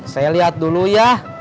saya liat dulu ya